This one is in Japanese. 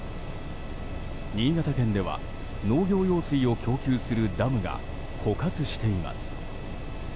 新潟県では、農業用水を供給するダムが枯渇しています。